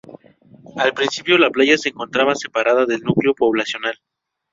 Al principio la playa se encontraba separada del núcleo poblacional.